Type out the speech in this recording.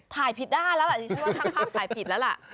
ถ่ายผิดด้านแล้วล่ะชิคกี้พายว่าทางภาพถ่ายผิดแล้วล่ะ